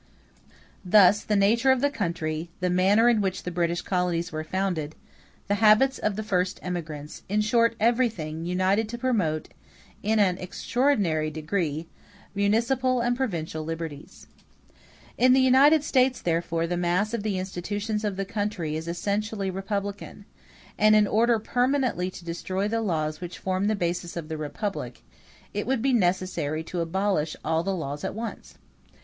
Thus, the nature of the country, the manner in which the British colonies were founded, the habits of the first emigrants, in short everything, united to promote, in an extraordinary degree, municipal and provincial liberties. In the United States, therefore, the mass of the institutions of the country is essentially republican; and in order permanently to destroy the laws which form the basis of the republic, it would be necessary to abolish all the laws at once.